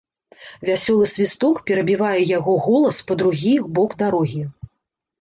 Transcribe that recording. Вясёлы свісток перабівае яго голас па другі бок дарогі.